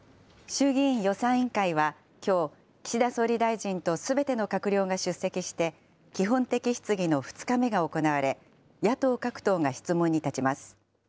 衆議院予算委員会はきょう、岸田総理大臣とすべての閣僚が出席して、基本的質疑の２日目が行われ、野党各党が質問に立ちます。